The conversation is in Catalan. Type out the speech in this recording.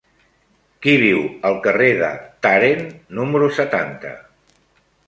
Qui viu al carrer de Tàrent número setanta?